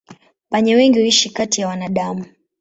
Panya wengi huishi kati ya wanadamu.